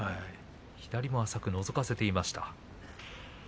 左も浅くのぞかせていました。